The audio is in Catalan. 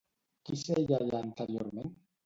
Qui seia allà anteriorment?